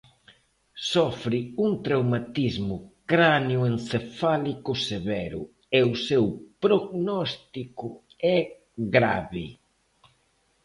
Sofre un traumatismo cranioencefálico severo e o seu prognóstico é grave.